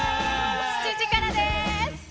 ７時からです。